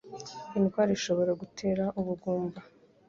Iyi ndwara ishobora gutera ubugumba